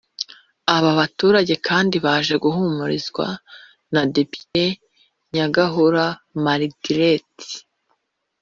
Aba baturage kandi baje guhumurizwa na Depite Nyagahura Marguerite